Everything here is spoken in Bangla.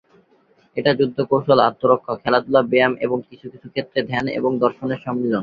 এটা যুদ্ধ কৌশল, আত্মরক্ষা, খেলাধুলা, ব্যায়াম, এবং কিছু কিছু ক্ষেত্রে ধ্যান এবং দর্শনের সম্মিলন।